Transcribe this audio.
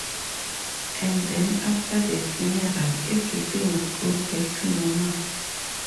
And then after the funeral, everything would go back to normal.